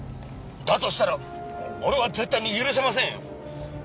だとしたら俺は絶対に許せませんよ。